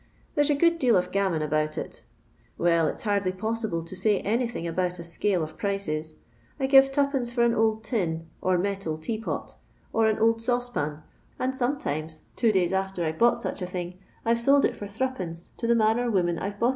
There '* a good deal of gammon ab iut it. Well, it'* liaidly possible to mj anything about a scale of prices. I give 2d. for an old tin or meUil teapot, or an nld saucepan, and some times, two days ofter I *ve bought such a thing, I 'vc sold it for 37. to the man or woman I 'vc bo'.!